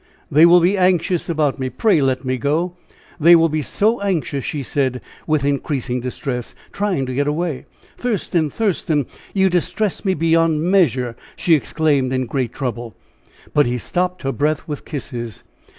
"They will be anxious about me, pray let us go! They will be so anxious!" she said, with increasing distress, trying to get away. "Thurston! Thurston! You distress me beyond measure," she exclaimed in great trouble. But he stopped her breath with kisses.